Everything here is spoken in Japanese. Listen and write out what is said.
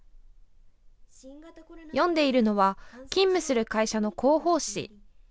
読んでいるのは勤務する会社の広報誌。